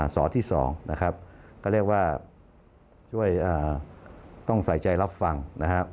สอที่๒นะครับก็เรียกว่าช่วยต้องใส่ใจรับฟังนะครับ